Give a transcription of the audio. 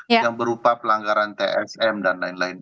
yang berupa pelanggaran tsm dan lain lain